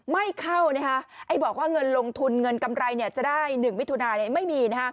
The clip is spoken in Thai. ไม่เข้าบอกว่าเงินลงทุนเงินกำไรจะได้๑มิถุนาไม่มี